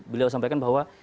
beliau sampaikan bahwa